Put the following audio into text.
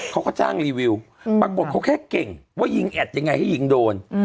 เขาก็จ้างรีวิวปรากฏเขาแค่เก่งว่ายิงแอดยังไงให้ยิงโดน